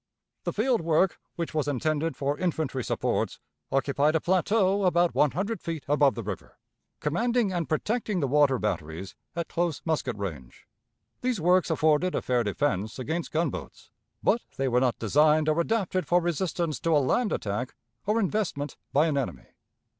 The field work, which was intended for infantry supports, occupied a plateau about one hundred feet above the river, commanding and protecting the water batteries at close musket range. These works afforded a fair defense against gunboats; but they were not designed or adapted for resistance to a land attack or investment by an enemy.